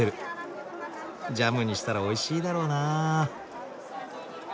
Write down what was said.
ジャムにしたらおいしいだろうなあ。